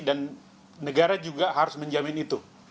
dan negara juga harus menjamin itu